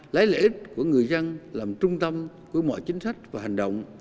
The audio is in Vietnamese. lấy lợi ích của người dân làm trung tâm của mọi chính sách và hành động